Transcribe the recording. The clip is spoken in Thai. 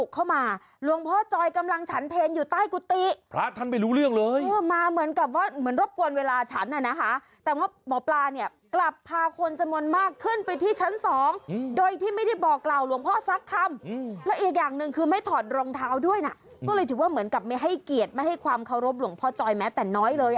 ก็เลยถือว่าเหมือนกับไม่ให้เกียรติไม่ให้ความเคารพหลวงพ่อจอยแม้แต่น้อยเลย